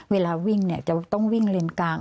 เวลาวิ่งจะต้องวิ่งเลนกลาง